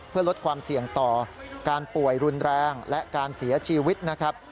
เพื่อลดความเสี่ยงต่อการป่วยรุนแรงและการเสียชีวิตนะครับ